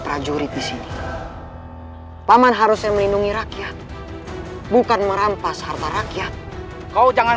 prajurit di sini paman harusnya melindungi rakyat bukan merampas harta rakyat kau jangan